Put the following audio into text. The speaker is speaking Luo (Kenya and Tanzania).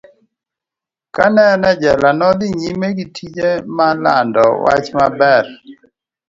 Ka en e jela, ne odhi nyime gi tije mar lando wach maber.